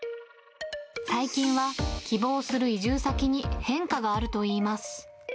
最近は希望する移住先に変化があるといいます。